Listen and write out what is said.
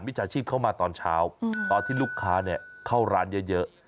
ชาชีพเข้ามาตอนเช้าตอนที่ลูกค้าเข้าร้านเยอะ